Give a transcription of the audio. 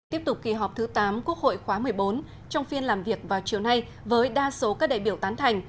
tiếp tục kỳ họp thứ tám quốc hội khóa một mươi bốn trong phiên làm việc vào chiều nay với đa số các đại biểu tán thành